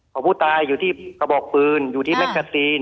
ของผู้ตายอยู่ที่กระบอกปืนอยู่ที่แกซีน